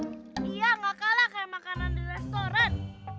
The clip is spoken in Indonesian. iya nggak kalah kayak makanan di restoran